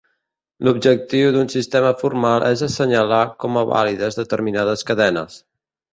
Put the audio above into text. L'objectiu d'un sistema formal és assenyalar com a vàlides determinades cadenes.